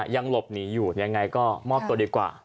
ยังหลบหนีอยู่ยังไงก็มอบตัวดีกว่า